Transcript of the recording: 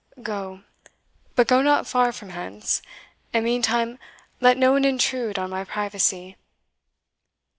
Go but go not far from hence; and meantime let no one intrude on my privacy."